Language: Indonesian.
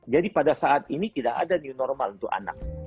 pada saat ini tidak ada new normal untuk anak